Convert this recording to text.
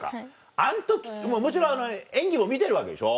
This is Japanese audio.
あん時もちろん演技も見てるわけでしょ？